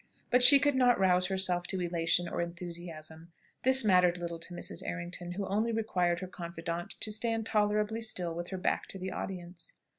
But she could not rouse herself to elation or enthusiasm. This mattered little to Mrs. Errington, who only required her confidante to stand tolerably still with her back to the audience.